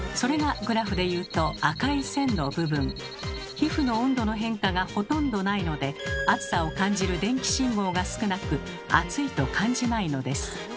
皮膚の温度の変化がほとんどないので熱さを感じる電気信号が少なく「熱い」と感じないのです。